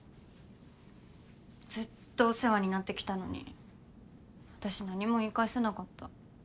ずっとお世話になってきたのに私何も言い返せなかった。